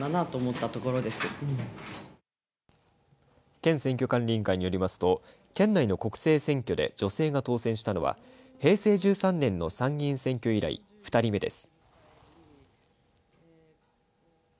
県選挙管理委員会によりますと県内の国政選挙で女性が当選したのは平成１３年の参議院選挙以来２人目です。